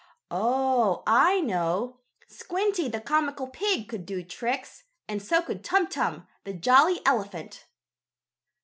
Oh, I know! Squinty, the comical pig, could do tricks, and so could Tum Tum, the jolly elephant.